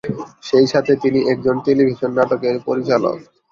সেই সাথে তিনি একজন টেলিভিশন নাটকের পরিচালক।